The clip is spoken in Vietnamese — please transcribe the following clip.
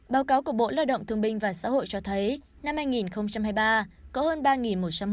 báo cáo của bộ lao động thương binh và xã hội cho thấy năm hai nghìn hai mươi ba có hơn ba một trăm linh hộ xảy ra bộ trưởng